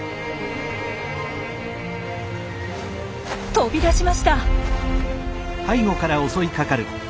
飛び出しました！